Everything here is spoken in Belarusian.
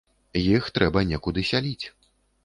Іх трэба некуды сяліць.